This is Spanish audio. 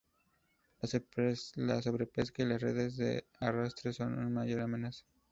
La sobrepesca y las redes de arrastre son su mayor amenaza.